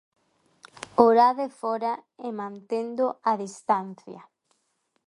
Orade fóra e mantendo a distancia.